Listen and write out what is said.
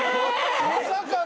まさかの。